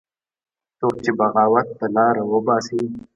څوک چې بغاوت ته لاره وباسي